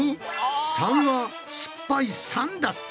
「３」はすっぱい「酸」だって！？